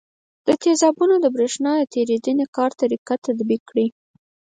د تیزابونو د برېښنا تیریدنې کار طریقه تطبیق کړئ.